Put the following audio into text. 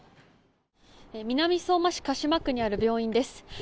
南相馬市鹿島区にある病院です。